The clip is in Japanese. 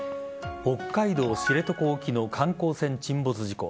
北海道知床沖の観光船沈没事故。